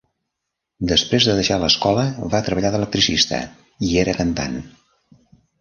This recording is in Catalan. Després de deixar l'escola, va treballar d'electricista i era cantant.